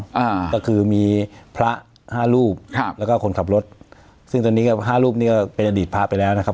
อ่าก็คือมีพระห้ารูปครับแล้วก็คนขับรถซึ่งตอนนี้ก็ห้ารูปเนี้ยก็เป็นอดีตพระไปแล้วนะครับ